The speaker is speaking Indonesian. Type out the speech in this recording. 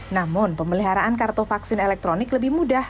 namun pemeliharaan kartu vaksin elektronik lebih mudah